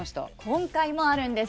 今回もあるんです。